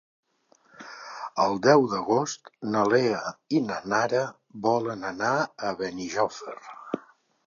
El deu d'agost na Lea i na Nara volen anar a Benijòfar.